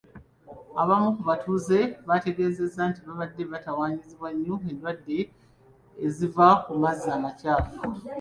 Abamu ku batuuze baategeezezza nti babadde batawanyizibwa nnyo endwadde ekiva ku mazzi amakyaffu.